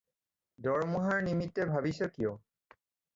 দৰমহাৰ নিমিত্তে ভাবিছ কিয়?